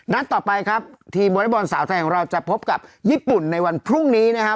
นัดต่อไปครับทีมวอเล็กบอลสาวไทยของเราจะพบกับญี่ปุ่นในวันพรุ่งนี้นะครับ